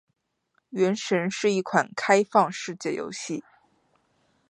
《原神》是一款开放世界游戏。